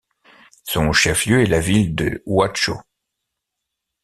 Son chef-lieu est la ville de Huacho.